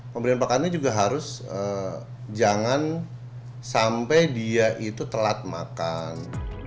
pemberian pakannya juga harus jangan sampai dia itu telat makan